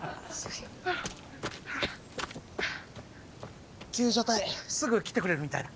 救助隊すぐ来てくれるみたいだ。